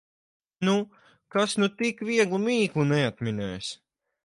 Nu, kas nu tik vieglu mīklu neatminēs!